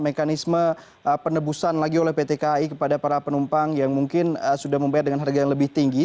mekanisme penebusan lagi oleh pt kai kepada para penumpang yang mungkin sudah membayar dengan harga yang lebih tinggi